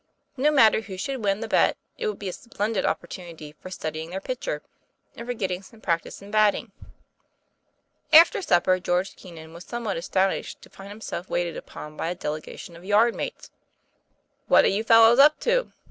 No matter who should win the bet, it would be a splendid opportunity for studying their pitcher, and for getting some practice in batting. After supper George Keenan was somewhat as tonished to find himself waited upon by a delega tion of yard mates. 'What are you fellows up to?"